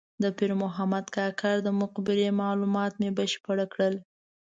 د پیر محمد کاکړ د مقبرې معلومات مې بشپړ کړل.